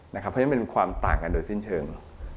เพราะฉะนั้นเป็นความต่างกันโดยสิ้นเชิง